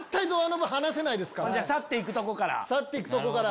ほんじゃ去って行くとこから。